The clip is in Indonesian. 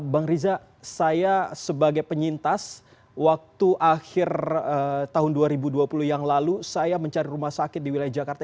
bang riza saya sebagai penyintas waktu akhir tahun dua ribu dua puluh yang lalu saya mencari rumah sakit di wilayah jakarta